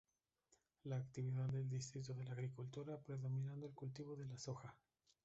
La actividad del distrito es la agricultura, predominando el cultivo de la soja.